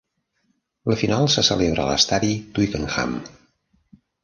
La final se celebra a l'estadi Twickenham.